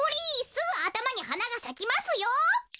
すぐあたまにはながさきますよ！